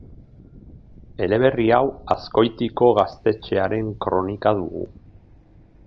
Eleberri hau Azkoitiko Gaztetxearen kronika dugu.